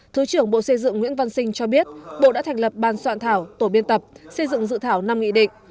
thứ trưởng bộ xây dựng nguyễn văn sinh cho biết bộ đã thành lập ban soạn thảo tổ biên tập xây dựng dự thảo năm nghị định